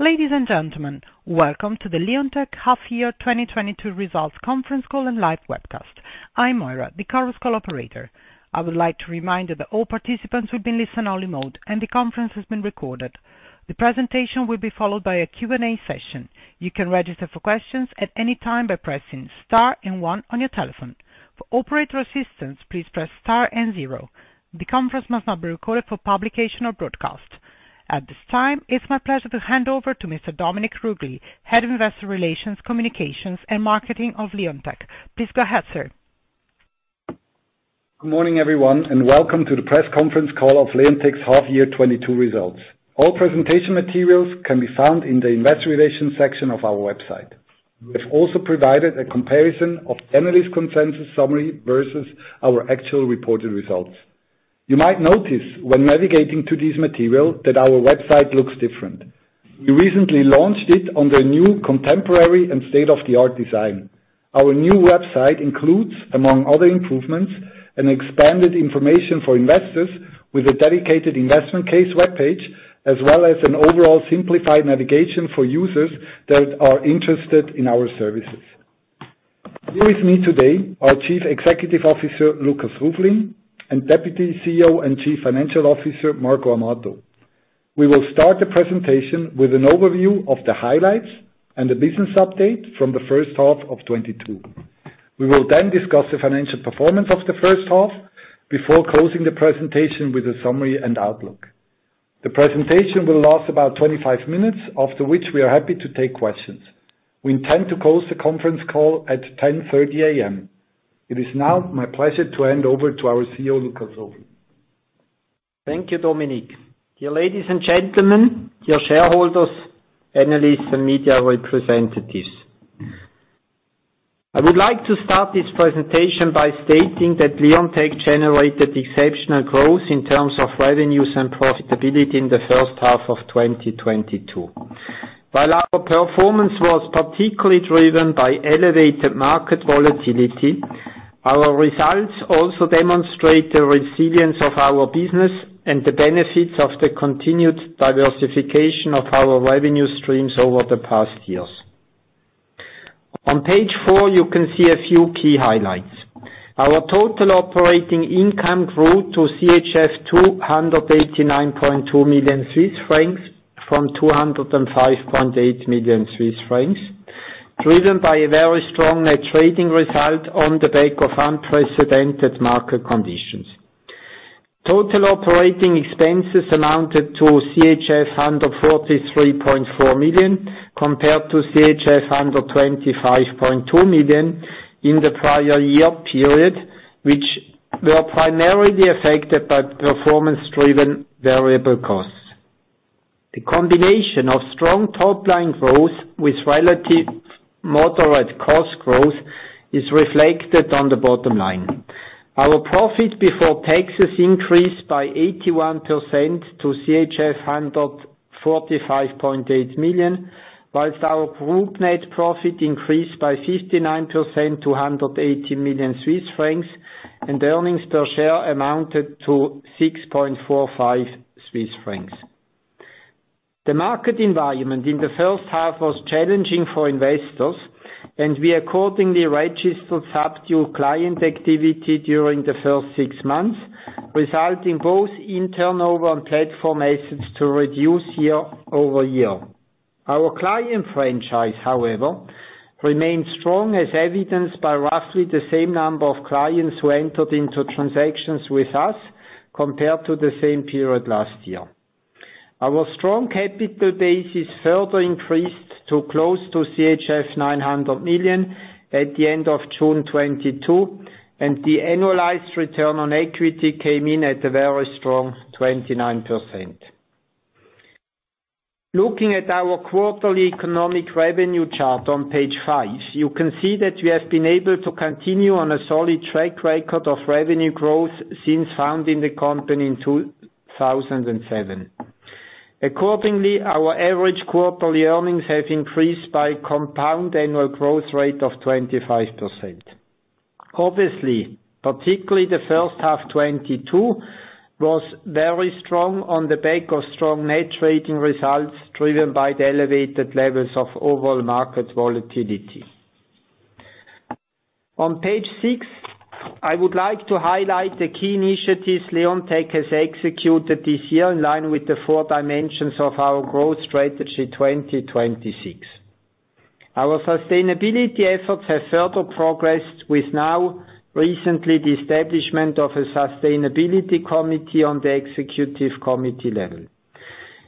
Ladies and gentlemen, welcome to the Leonteq Half Year 2022 Results Conference Call and Live Webcast. I'm Moira, the Chorus Call operator. I would like to remind you that all participants will be in listen-only mode, and the conference is being recorded. The presentation will be followed by a Q&A session. You can register for questions at any time by pressing star and one on your telephone. For operator assistance, please press star and zero. The conference must not be recorded for publication or broadcast. At this time, it's my pleasure to hand over to Mr. Dominik Ruggli, Head of Investor Relations, Communications and Marketing of Leonteq. Please go ahead, sir. Good morning, everyone, and welcome to the Press Conference Call of Leonteq's half year 2022 results. All presentation materials can be found in the Investor Relations section of our website. We have also provided a comparison of analyst consensus summary versus our actual reported results. You might notice when navigating to this material that our website looks different. We recently launched it on the new contemporary and state-of-the-art design. Our new website includes, among other improvements, an expanded information for investors with a dedicated investment case webpage, as well as an overall simplified navigation for users that are interested in our services. Here with me today, our Chief Executive Officer, Lukas Ruflin, and Deputy CEO and Chief Financial Officer, Marco Amato. We will start the presentation with an overview of the highlights and the business update from the first half of 2022. We will then discuss the financial performance of the first half before closing the presentation with a summary and outlook. The presentation will last about 25 minutes, after which we are happy to take questions. We intend to close the conference call at 10:30 A.M. It is now my pleasure to hand over to our CEO, Lukas Ruflin. Thank you, Dominik. Dear ladies and gentlemen, dear shareholders, analysts, and media representatives. I would like to start this presentation by stating that Leonteq generated exceptional growth in terms of revenues and profitability in the first half of 2022. While our performance was particularly driven by elevated market volatility, our results also demonstrate the resilience of our business and the benefits of the continued diversification of our revenue streams over the past years. On page four, you can see a few key highlights. Our total operating income grew to 289.2 million Swiss francs from 205.8 million Swiss francs, driven by a very strong net trading result on the back of unprecedented market conditions. Total operating expenses amounted to CHF 143.4 million, compared to CHF 125.2 million in the prior year period, which were primarily affected by performance-driven variable costs. The combination of strong top-line growth with relative moderate cost growth is reflected on the bottom line. Our profit before taxes increased by 81% to CHF 145.8 million, while our group net profit increased by 59% to 180 million Swiss francs, and earnings per share amounted to 6.45 Swiss francs. The market environment in the first half was challenging for investors, and we accordingly registered subdued client activity during the first six months, resulting both in turnover and platform assets to reduce year-over-year. Our client franchise, however, remains strong, as evidenced by roughly the same number of clients who entered into transactions with us compared to the same period last year. Our strong capital base is further increased to close to CHF 900 million at the end of June 2022, and the annualized return on equity came in at a very strong 29%. Looking at our quarterly economic revenue chart on page five, you can see that we have been able to continue on a solid track record of revenue growth since founding the company in 2007. Accordingly, our average quarterly earnings have increased by compound annual growth rate of 25%. Obviously, particularly the first half 2022 was very strong on the back of strong net trading results driven by the elevated levels of overall market volatility. On page six, I would like to highlight the key initiatives Leonteq has executed this year in line with the four dimensions of our growth strategy 2026. Our sustainability efforts have further progressed with now recently the establishment of a sustainability committee on the executive committee level.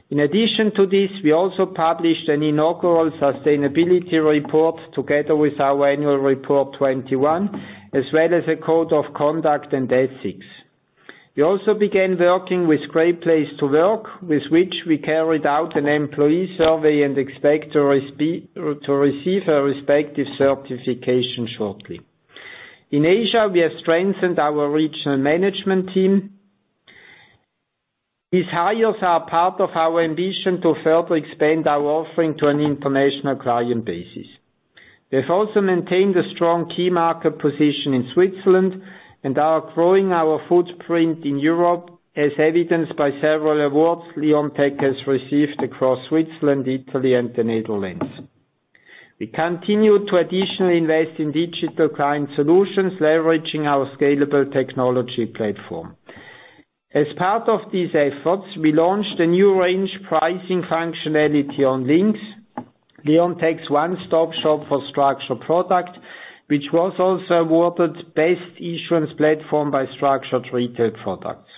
In addition to this, we also published an inaugural sustainability report together with our annual report 2021, as well as a code of conduct and ethics. We also began working with Great Place to Work, with which we carried out an employee survey and expect to receive a respective certification shortly. In Asia, we have strengthened our regional management team. These hires are part of our ambition to further expand our offering to an international client base. We have also maintained a strong key market position in Switzerland, and are growing our footprint in Europe, as evidenced by several awards Leonteq has received across Switzerland, Italy, and the Netherlands. We continue to additionally invest in digital client solutions, leveraging our scalable technology platform. As part of these efforts, we launched a new range pricing functionality on LYNQS, Leonteq's one-stop shop for structured products, which was also awarded Best Issuance Platform by Structured Retail Products.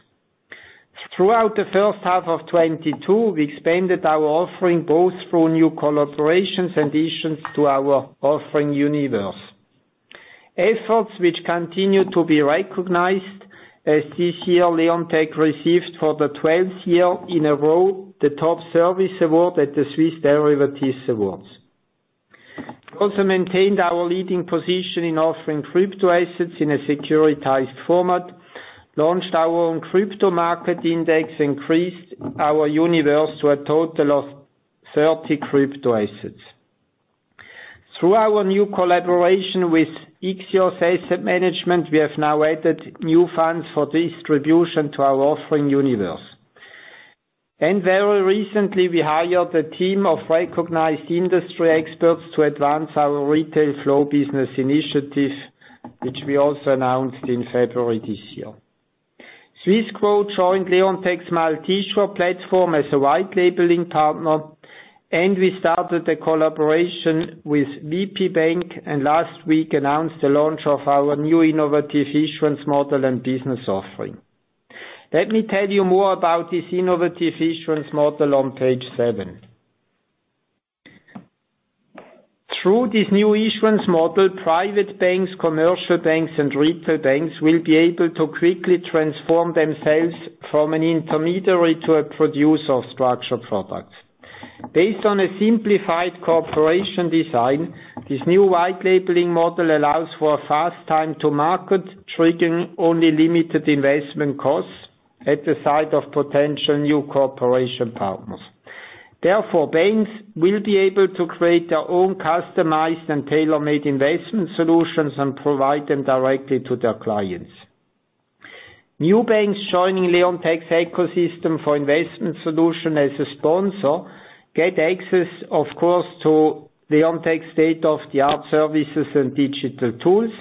Throughout the first half of 2022, we expanded our offering both through new collaborations and additions to our offering universe. Efforts which continue to be recognized, as this year, Leonteq received for the 12th year in a row the Top Service Award at the Swiss Derivative Awards. We also maintained our leading position in offering crypto assets in a securitized format, launched our own crypto market index, increased our universe to a total of 30 crypto assets. Through our new collaboration with Ixios Asset Management, we have now added new funds for distribution to our offering universe. Very recently, we hired a team of recognized industry experts to advance our retail flow business initiative, which we also announced in February this year. Swissquote joined Leonteq's multi-issuance platform as a white-labeling partner, and we started a collaboration with VP Bank, and last week announced the launch of our new innovative issuance model and business offering. Let me tell you more about this innovative issuance model on page seven. Through this new issuance model, private banks, commercial banks, and retail banks will be able to quickly transform themselves from an intermediary to a producer of structured products. Based on a simplified cooperation design, this new white-labeling model allows for a fast time to market, triggering only limited investment costs at the site of potential new cooperation partners. Therefore, banks will be able to create their own customized and tailor-made investment solutions and provide them directly to their clients. New banks joining Leonteq's ecosystem for investment solutions as a sponsor get access, of course, to Leonteq's state-of-the-art services and digital tools.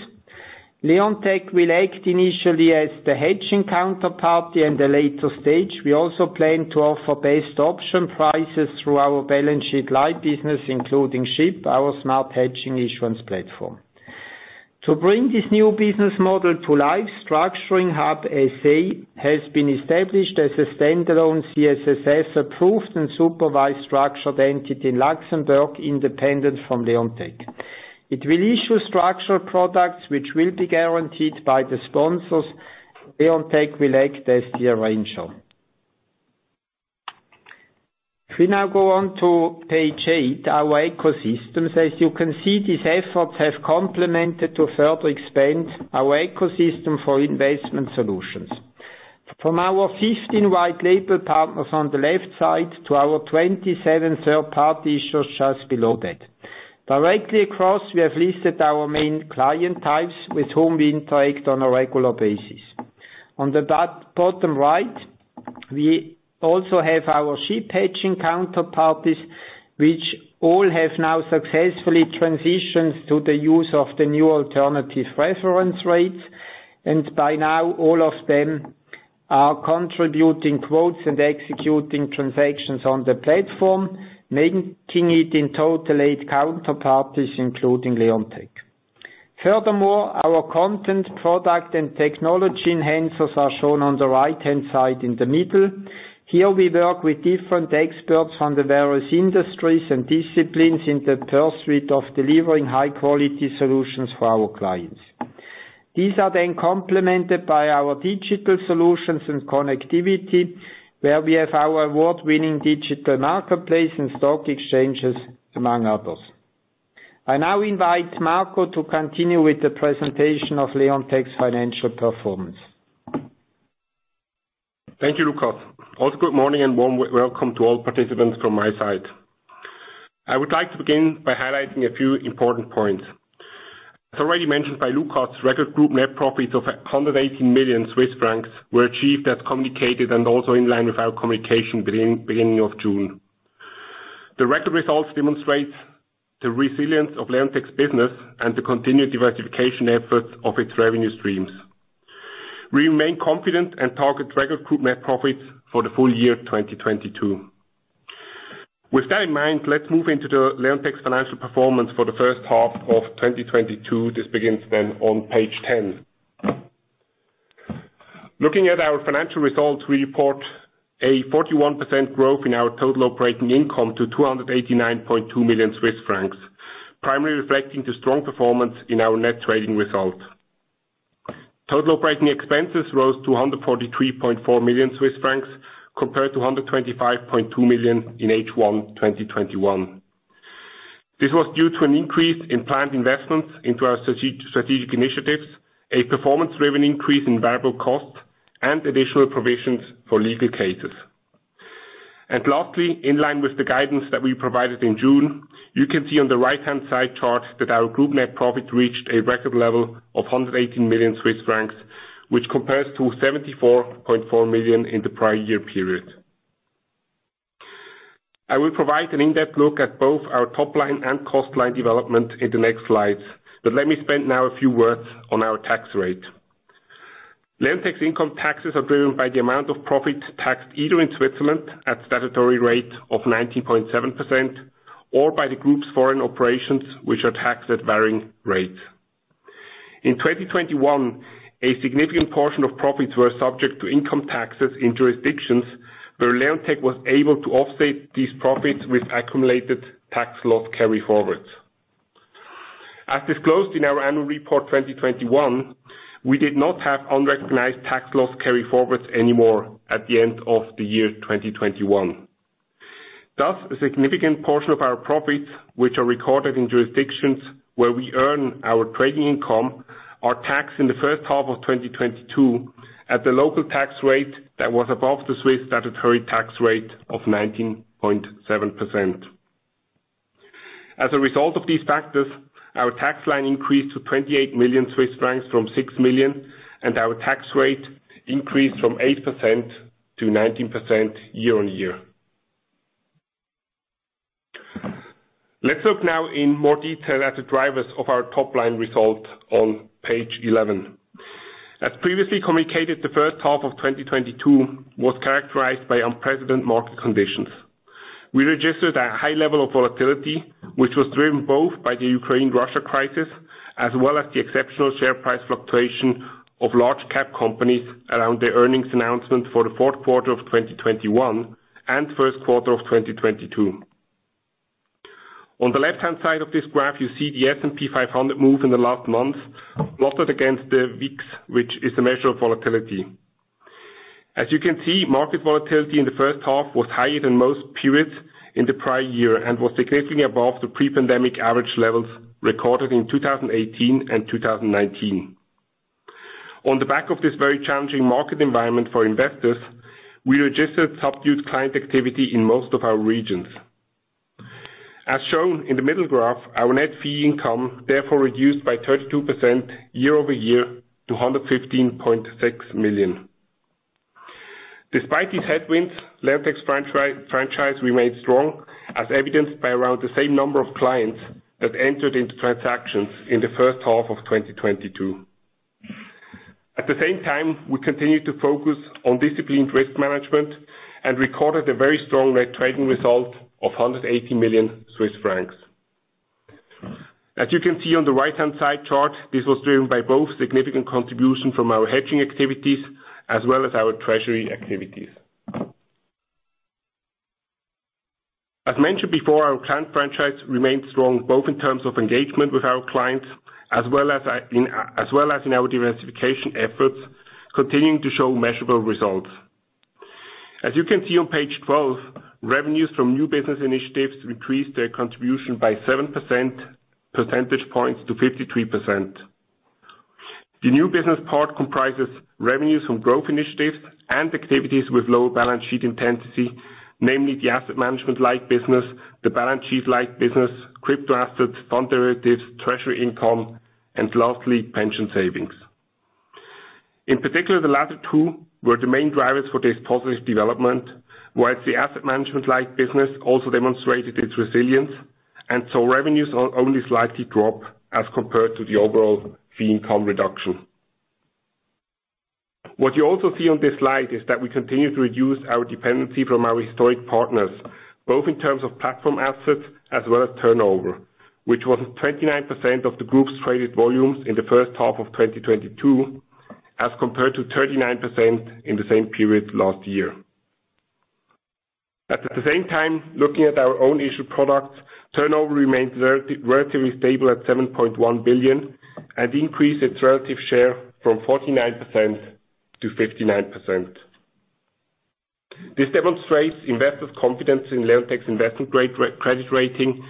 Leonteq will act initially as the hedging counterparty. In the later stage, we also plan to offer best option prices through our balance sheet light business, including SHIP, our smart hedging issuance platform. To bring this new business model to life, structuringHUB SA has been established as a standalone CSSF-authorized and supervised structured entity in Luxembourg, independent from Leonteq. It will issue structured products which will be guaranteed by the sponsors. Leonteq will act as the arranger. If we now go on to page eight, our ecosystem. As you can see, these efforts have contributed to further expand our ecosystem for investment solutions. From our 15 white-label partners on the left side to our 27 third-party issuers just below that. Directly across, we have listed our main client types with whom we interact on a regular basis. On the bottom right, we also have our SHIP hedging counterparties, which all have now successfully transitioned to the use of the new alternative reference rates. By now, all of them are contributing quotes and executing transactions on the platform, making it in total eight counterparties, including Leonteq. Furthermore, our content, product, and technology enhancers are shown on the right-hand side in the middle. Here we work with different experts from the various industries and disciplines in the pursuit of delivering high-quality solutions for our clients. These are then complemented by our digital solutions and connectivity, where we have our award-winning digital marketplace and stock exchanges, among others. I now invite Marco to continue with the presentation of Leonteq's financial performance. Thank you, Lukas. Also, good morning and warm welcome to all participants from my side. I would like to begin by highlighting a few important points. As already mentioned by Lukas, record group net profits of 118 million Swiss francs were achieved as communicated and also in line with our communication beginning of June. The record results demonstrate the resilience of Leonteq's business and the continued diversification efforts of its revenue streams. We remain confident and target record group net profits for the full year 2022. With that in mind, let's move into Leonteq's financial performance for the first half of 2022. This begins then on page 10. Looking at our financial results, we report a 41% growth in our total operating income to 289.2 million Swiss francs, primarily reflecting the strong performance in our net trading results. Total operating expenses rose to 143.4 million Swiss francs compared to 125.2 million in H1 2021. This was due to an increase in planned investments into our strategic initiatives, a performance-driven increase in variable costs, and additional provisions for legal cases. Lastly, in line with the guidance that we provided in June, you can see on the right-hand side chart that our group net profit reached a record level of 118 million Swiss francs, which compares to 74.4 million in the prior year period. I will provide an in-depth look at both our top line and cost line development in the next slides, but let me spend now a few words on our tax rate. Leonteq income taxes are driven by the amount of profits taxed either in Switzerland at statutory rate of 19.7%, or by the group's foreign operations, which are taxed at varying rates. In 2021, a significant portion of profits were subject to income taxes in jurisdictions where Leonteq was able to offset these profits with accumulated tax loss carry-forwards. As disclosed in our annual report 2021, we did not have unrecognized tax loss carry-forwards anymore at the end of the year 2021. Thus, a significant portion of our profits, which are recorded in jurisdictions where we earn our trading income, are taxed in the first half of 2022 at the local tax rate that was above the Swiss statutory tax rate of 19.7%. As a result of these factors, our tax line increased to 28 million Swiss francs from 6 million, and our tax rate increased from 8% to 19% year-on-year. Let's look now in more detail at the drivers of our top-line result on page 11. As previously communicated, the first half of 2022 was characterized by unprecedented market conditions. We registered a high level of volatility, which was driven both by the Ukraine-Russia crisis as well as the exceptional share price fluctuation of large cap companies around the earnings announcement for the fourth quarter of 2021 and first quarter of 2022. On the left-hand side of this graph, you see the S&P 500 move in the last month plotted against the VIX, which is a measure of volatility. As you can see, market volatility in the first half was higher than most periods in the prior year and was significantly above the pre-pandemic average levels recorded in 2018 and 2019. On the back of this very challenging market environment for investors, we registered subdued client activity in most of our regions. As shown in the middle graph, our net fee income therefore reduced by 32% year-over-year to 115.6 million. Despite these headwinds, Leonteq's franchise remained strong, as evidenced by around the same number of clients that entered into transactions in the first half of 2022. At the same time, we continued to focus on disciplined risk management and recorded a very strong net trading result of 180 million Swiss francs. As you can see on the right-hand side chart, this was driven by both significant contribution from our hedging activities as well as our treasury activities. As mentioned before, our client franchise remained strong, both in terms of engagement with our clients as well as in our diversification efforts, continuing to show measurable results. As you can see on page 12, revenues from new business initiatives increased their contribution by 7 percentage points to 53%. The new business part comprises revenues from growth initiatives and activities with lower balance sheet intensity, namely the asset management-like business, the balance sheet-like business, crypto assets, fund derivatives, treasury income, and lastly, pension savings. In particular, the latter two were the main drivers for this positive development, while the asset management-like business also demonstrated its resilience, and so revenues only slightly dropped as compared to the overall fee income reduction. What you also see on this slide is that we continue to reduce our dependency from our historic partners, both in terms of platform assets as well as turnover, which was 29% of the group's traded volumes in the first half of 2022, as compared to 39% in the same period last year. At the same time, looking at our own issued products, turnover remained relatively stable at 7.1 billion and increased its relative share from 49% to 59%. This demonstrates investors' confidence in Leonteq's investment-grade credit rating,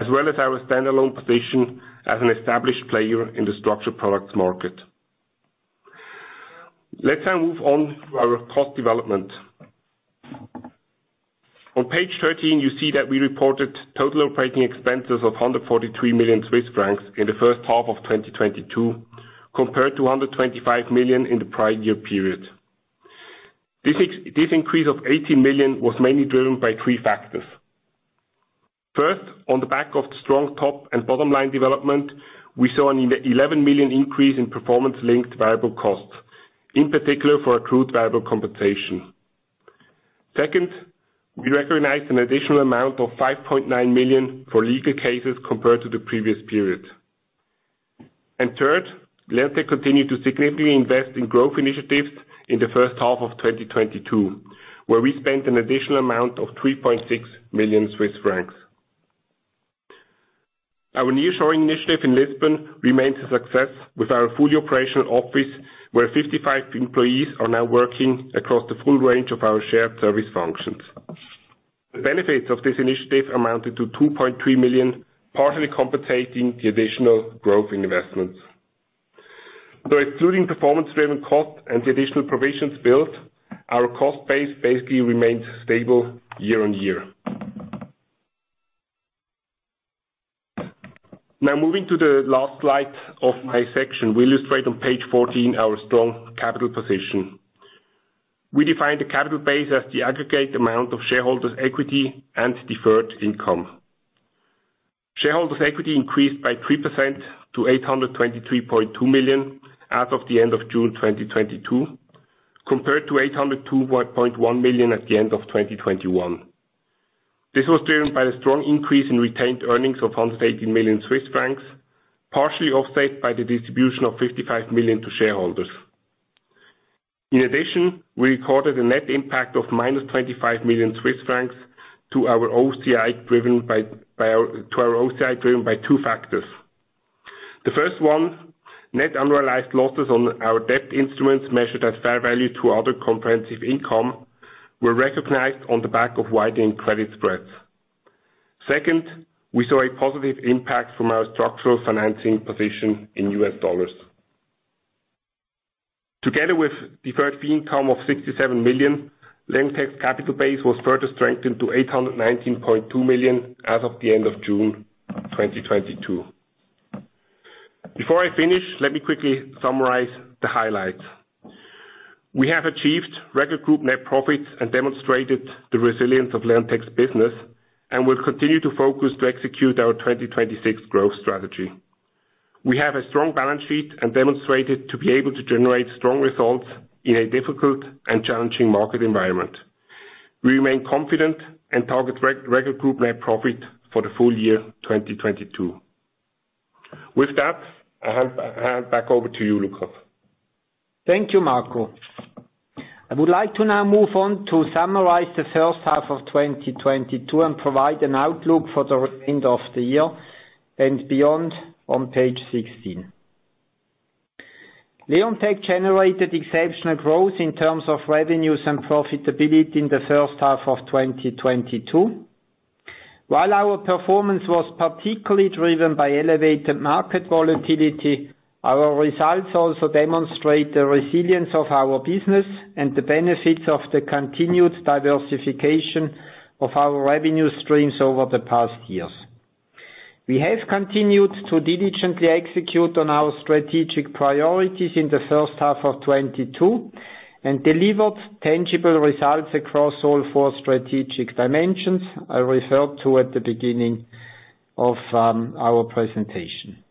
as well as our standalone position as an established player in the structured products market. Let's now move on to our cost development. On page 13, you see that we reported total operating expenses of 143 million Swiss francs in the first half of 2022, compared to 125 million in the prior year period. This increase of 18 million was mainly driven by three factors. First, on the back of the strong top and bottom line development, we saw an 11 million increase in performance-linked variable costs, in particular for accrued variable compensation. Second, we recognized an additional amount of 5.9 million for legal cases compared to the previous period. Third, Leonteq continued to significantly invest in growth initiatives in the first half of 2022, where we spent an additional amount of 3.6 million Swiss francs. Our nearshoring initiative in Lisbon remains a success with our fully operational office, where 55 employees are now working across the full range of our shared service functions. The benefits of this initiative amounted to 2.3 million, partly compensating the additional growth investments. Excluding performance-driven costs and the additional provisions built, our cost base basically remains stable year-on-year. Now moving to the last slide of my section. We illustrate on page 14 our strong capital position. We define the capital base as the aggregate amount of shareholders' equity and deferred income. Shareholders' equity increased by 3% to 823.2 million as of the end of June 2022, compared to 802.1 million at the end of 2021. This was driven by the strong increase in retained earnings of 180 million Swiss francs, partially offset by the distribution of 55 million to shareholders. In addition, we recorded a net impact of -25 million Swiss francs to our OCI, driven by two factors. The first one, net unrealized losses on our debt instruments measured at fair value through other comprehensive income, were recognized on the back of widening credit spreads. Second, we saw a positive impact from our structural financing position in U.S. dollars. Together with deferred fee income of 67 million, Leonteq's capital base was further strengthened to 819.2 million as of the end of June 2022. Before I finish, let me quickly summarize the highlights. We have achieved record group net profits and demonstrated the resilience of Leonteq's business, and will continue to focus to execute our 2026 growth strategy. We have a strong balance sheet and demonstrated to be able to generate strong results in a difficult and challenging market environment. We remain confident and target record group net profit for the full year 2022. With that, I hand back over to you, Lukas. Thank you, Marco. I would like to now move on to summarize the first half of 2022 and provide an outlook for the remainder of the year and beyond on page 16. Leonteq generated exceptional growth in terms of revenues and profitability in the first half of 2022. While our performance was particularly driven by elevated market volatility, our results also demonstrate the resilience of our business and the benefits of the continued diversification of our revenue streams over the past years. We have continued to diligently execute on our strategic priorities in the first half of 2022, and delivered tangible results across all four strategic dimensions I referred to at the beginning of our presentation.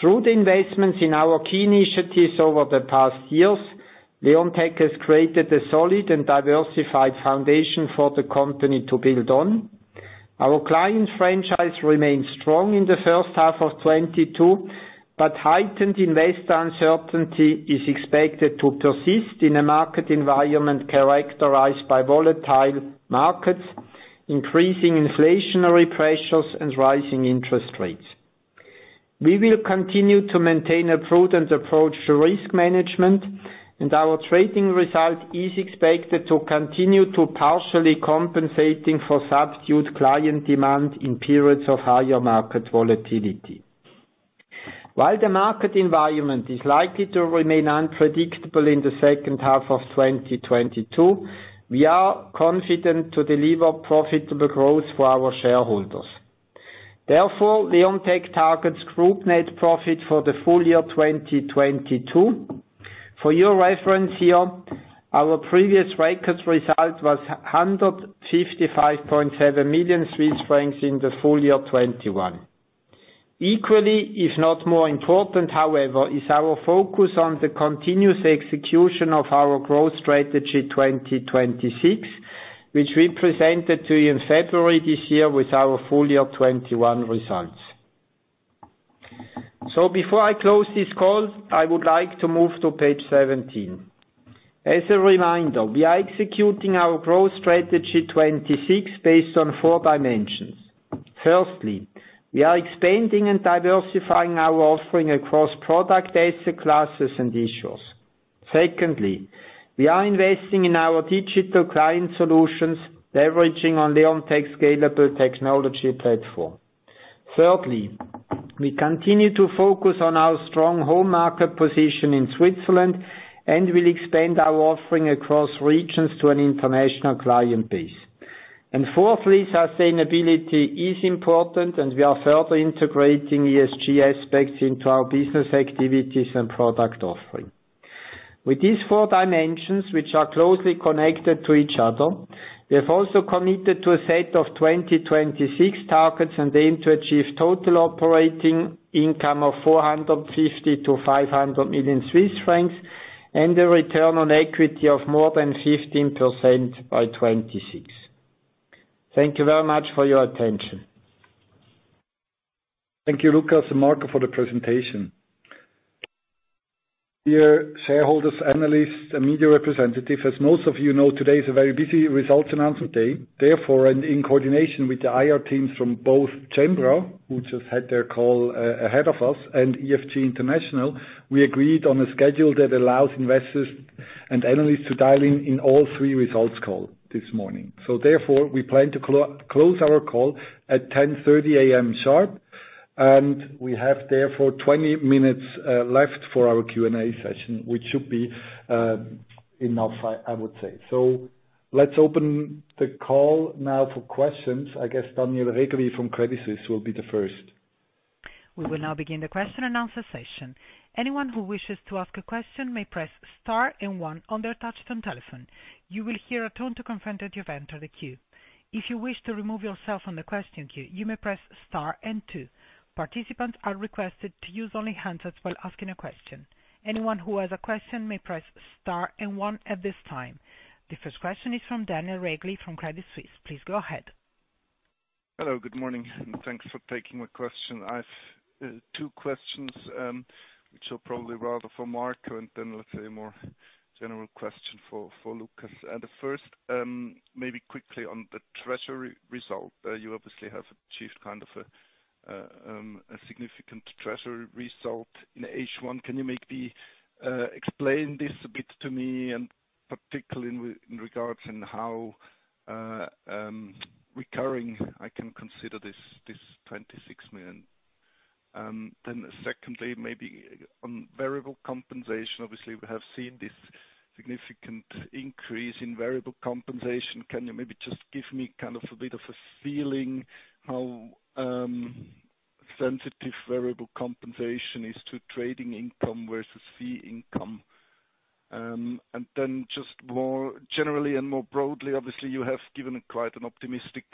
Through the investments in our key initiatives over the past years, Leonteq has created a solid and diversified foundation for the company to build on. Our client franchise remained strong in the first half of 2022, but heightened investor uncertainty is expected to persist in a market environment characterized by volatile markets, increasing inflationary pressures, and rising interest rates. We will continue to maintain a prudent approach to risk management, and our trading result is expected to continue to partially compensating for subdued client demand in periods of higher market volatility. While the market environment is likely to remain unpredictable in the second half of 2022, we are confident to deliver profitable growth for our shareholders. Therefore, Leonteq targets group net profit for the full year 2022. For your reference here, our previous record result was 155.7 million Swiss francs in the full year 2021. Equally, if not more important, however, is our focus on the continuous execution of our growth strategy 2026, which we presented to you in February this year with our full year 2021 results. Before I close this call, I would like to move to page 17. As a reminder, we are executing our growth strategy 2026 based on four dimensions. Firstly, we are expanding and diversifying our offering across product asset classes and issues. Secondly, we are investing in our digital client solutions, leveraging on Leonteq's scalable technology platform. Thirdly, we continue to focus on our strong home market position in Switzerland, and we'll expand our offering across regions to an international client base. Fourthly, sustainability is important, and we are further integrating ESG aspects into our business activities and product offering. With these four dimensions, which are closely connected to each other, we have also committed to a set of 2026 targets and aim to achieve total operating income of 450 million-500 million Swiss francs and a return on equity of more than 15% by 2026. Thank you very much for your attention. Thank you, Lukas and Marco, for the presentation. Dear shareholders, analysts, and media representatives, as most of you know, today is a very busy results announcement day. Therefore, and in coordination with the IR teams from both Cembra, who just had their call ahead of us, and EFG International, we agreed on a schedule that allows investors and analysts to dial into all three results calls this morning. Therefore, we plan to close our call at 10:30 A.M. sharp, and we have therefore 20 minutes left for our Q&A session, which should be enough, I would say. Let's open the call now for questions. I guess Daniel Regli from Credit Suisse will be the first. We will now begin the question-and-answer session. Anyone who wishes to ask a question may press star and one on their touch-tone telephone. You will hear a tone to confirm that you've entered the queue. If you wish to remove yourself from the question queue, you may press star and two. Participants are requested to use only handsets while asking a question. Anyone who has a question may press star and one at this time. The first question is from Daniel Regli from Credit Suisse. Please go ahead. Hello, good morning, and thanks for taking my question. I've two questions, which are probably rather for Marco, and then let's say a more general question for Lukas. The first, maybe quickly on the treasury result. You obviously have achieved kind of a significant treasury result in H1. Can you maybe explain this a bit to me, and particularly in regards to how recurring I can consider this 26 million? Then secondly, maybe on variable compensation. Obviously we have seen this significant increase in variable compensation. Can you maybe just give me kind of a bit of a feeling how sensitive variable compensation is to trading income versus fee income? Just more generally and more broadly, obviously you have given quite an optimistic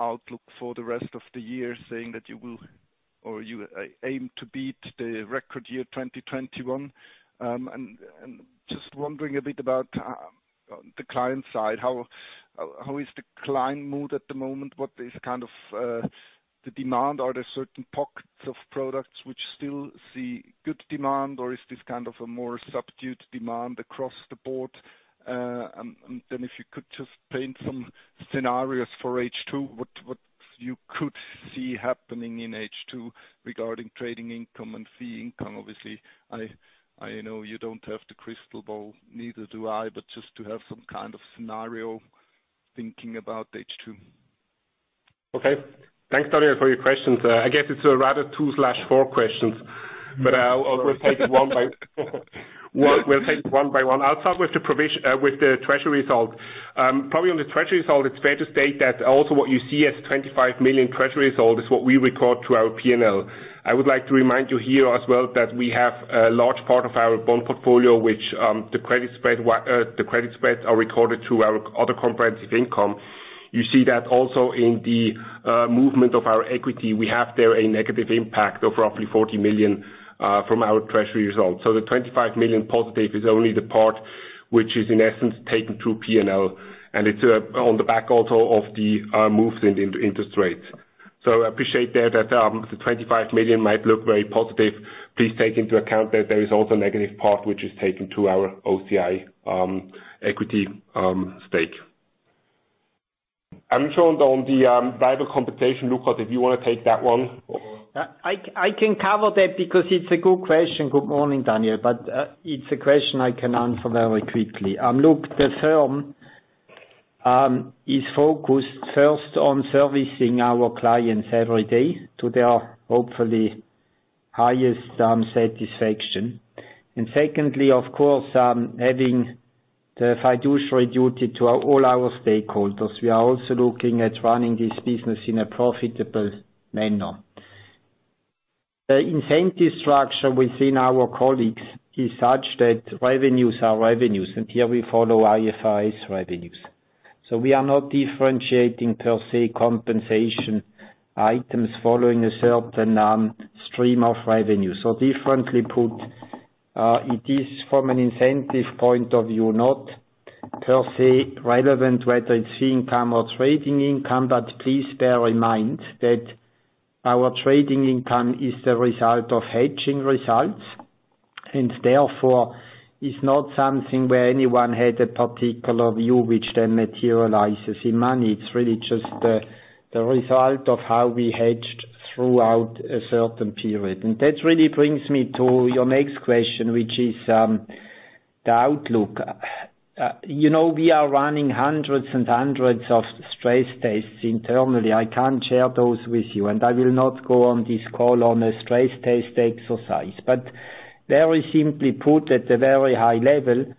outlook for the rest of the year, saying that you will or you aim to beat the record year 2021. Just wondering a bit about on the client side, how is the client mood at the moment? What is kind of the demand? Are there certain pockets of products which still see good demand, or is this kind of a more subdued demand across the board? If you could just paint some scenarios for H2, what you could see happening in H2 regarding trading income and fee income? Obviously, I know you don't have the crystal ball, neither do I, but just to have some kind of scenario thinking about H2. Okay. Thanks, Daniel, for your questions. I guess it's a rather 2/4 questions. Sorry. We'll take one by one. I'll start with the treasury result. Probably on the treasury result, it's fair to state that also what you see as 25 million treasury result is what we record to our P&L. I would like to remind you here as well that we have a large part of our bond portfolio, which the credit spreads are recorded to our other comprehensive income. You see that also in the movement of our equity. We have there a negative impact of roughly 40 million from our treasury results. The 25 million positive is only the part which is in essence taken through P&L, and it's on the back also of the moves in interest rates. I appreciate that the 25 million might look very positive. Please take into account that there is also a negative part which is taken to our OCI equity stake. I'm sure on the variable compensation, Lukas, if you wanna take that one. I can cover that because it's a good question. Good morning, Daniel. It's a question I can answer very quickly. Look, the firm is focused first on servicing our clients every day to their, hopefully, highest satisfaction. Secondly, of course, having the fiduciary duty to all our stakeholders. We are also looking at running this business in a profitable manner. The incentive structure within our colleagues is such that revenues are revenues, and here we follow IFRS revenues. We are not differentiating per se compensation items following a certain stream of revenue. Differently put, it is from an incentive point of view, not per se relevant whether it's fee income or trading income. Please bear in mind that our trading income is the result of hedging results, and therefore is not something where anyone had a particular view which then materializes in money. It's really just the result of how we hedged throughout a certain period. That really brings me to your next question, which is the outlook. You know, we are running hundreds and hundreds of stress tests internally. I can't share those with you, and I will not go on this call on a stress test exercise. Very simply put, at a very high level,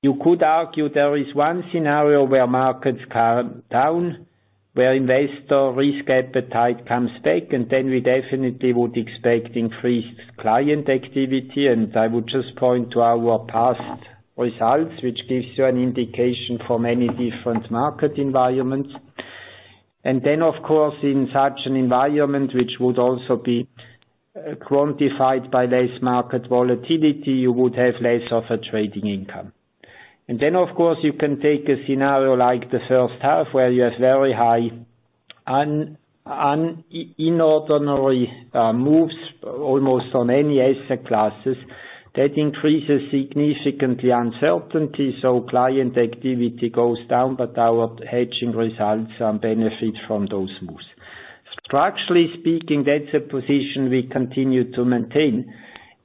you could argue there is one scenario where markets come down, where investor risk appetite comes back, and then we definitely would expect increased client activity. I would just point to our past results, which gives you an indication from many different market environments. Then of course, in such an environment, which would also be quantified by less market volatility, you would have less of a trading income. You can take a scenario like the first half, where you have very high extraordinary moves, almost on any asset classes. That increases significantly uncertainty, so client activity goes down, but our hedging results benefit from those moves. Structurally speaking, that's a position we continue to maintain.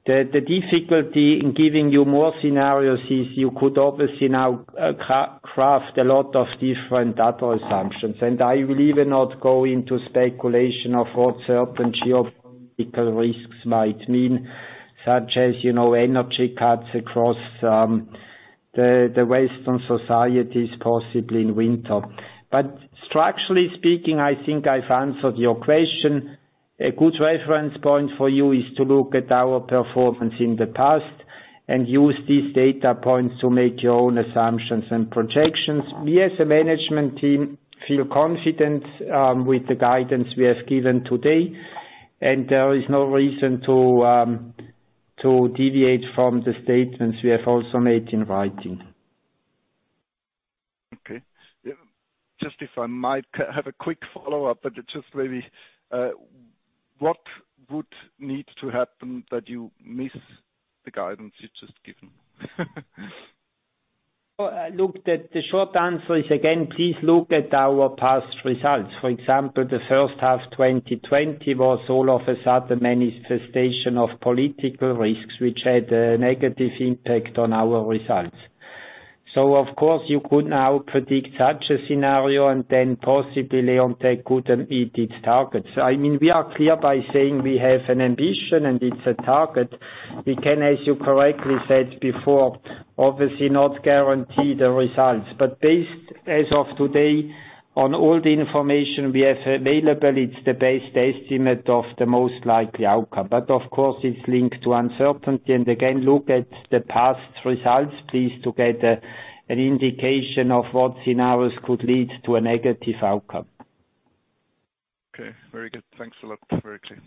The difficulty in giving you more scenarios is you could obviously now craft a lot of different data assumptions. I will even not go into speculation of what certain geopolitical risks might mean, such as you know, energy cuts across the western societies, possibly in winter. Structurally speaking, I think I've answered your question. A good reference point for you is to look at our performance in the past and use these data points to make your own assumptions and projections. We as a management team feel confident with the guidance we have given today, and there is no reason to deviate from the statements we have also made in writing. Okay. Just if I might have a quick follow-up, but just maybe, what would need to happen that you miss the guidance you've just given? Look, the short answer is, again, please look at our past results. For example, the first half, 2020 was all of a sudden manifestation of political risks, which had a negative impact on our results. Of course, you could now predict such a scenario and then possibly Leonteq couldn't meet its targets. I mean, we are clear by saying we have an ambition and it's a target. We can, as you correctly said before, obviously not guarantee the results. Based, as of today, on all the information we have available, it's the best estimate of the most likely outcome. Of course, it's linked to uncertainty. Again, look at the past results, please, to get an indication of what scenarios could lead to a negative outcome. Okay, very good. Thanks a lot. Very clear.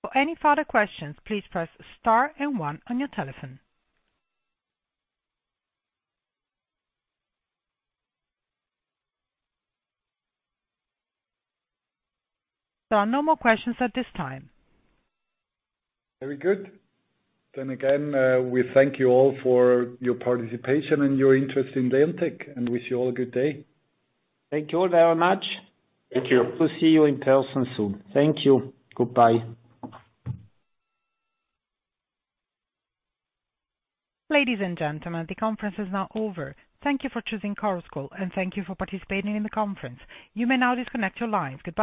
For any further questions, please press star and one on your telephone. There are no more questions at this time. Very good. We thank you all for your participation and your interest in Leonteq, and wish you all a good day. Thank you all very much. Thank you. Hope to see you in person soon. Thank you. Goodbye. Ladies and gentlemen, the conference is now over. Thank you for choosing Chorus Call, and thank you for participating in the conference. You may now disconnect your lines. Goodbye.